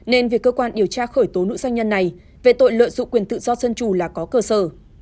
nên việc cơ quan điều tra khởi tố nữ doanh nhân này về tội lợi dụng quyền tự do dân chủ là có cơ sở